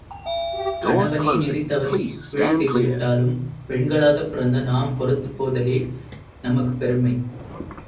கணவனே நெறிதவறிப் பிழை செய்து விட்டாலும் பெண்களாகப் பிறந்த நாம் பொறுத்துப் போதலே நமக்குப் பெருமை!